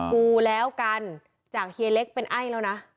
กูแล้วกันจากเฮียเล็กเป็นไอ้แล้วนะ